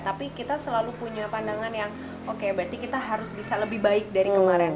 tapi kita selalu punya pandangan yang oke berarti kita harus bisa lebih baik dari kemarin